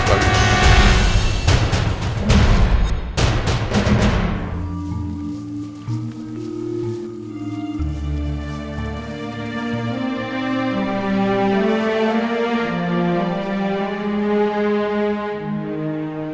aku akan mengembangkan